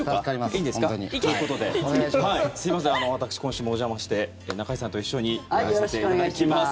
いいんですか？ということで、すみません私、今週もお邪魔して中居さんと一緒にやらせていただきます。